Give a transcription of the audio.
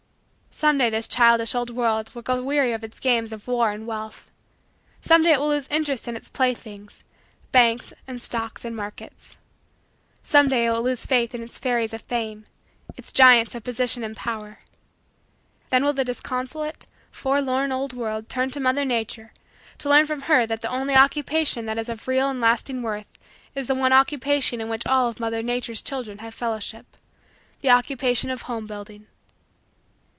Someday this childish old world will grow weary of its games of war and wealth. Someday it will lose interest in its playthings banks, and stocks, and markets. Someday it will lose faith in its fairies of fame, its giants of position and power. Then will the disconsolate, forlorn, old world turn to Mother Nature to learn from her that the only Occupation that is of real and lasting worth is the one Occupation in which all of Mother Nature's children have fellowship the Occupation of home building.